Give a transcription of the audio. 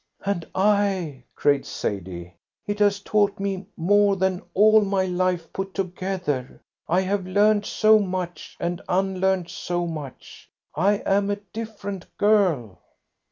"And I," cried Sadie. "It has taught me more than all my life put together. I have learned so much and unlearned so much. I am a different girl."